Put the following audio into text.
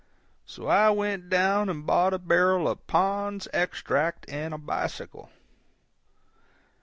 So I went down and bought a barrel of Pond's Extract and a bicycle.